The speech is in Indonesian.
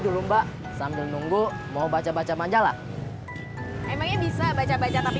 dulu mbak sambil nunggu mau baca baca manjalah emangnya bisa baca baca tapi